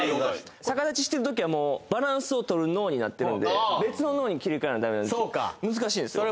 逆立ちしてるときはもうバランスを取る脳になってるんで別の脳に切り替えないとダメなんです難しいんですよ